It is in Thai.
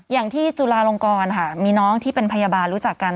จุฬาลงกรค่ะมีน้องที่เป็นพยาบาลรู้จักกัน